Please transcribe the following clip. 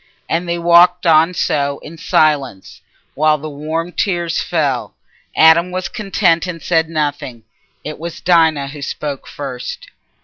And they walked on so in silence, while the warm tears fell. Adam was content, and said nothing. It was Dinah who spoke first.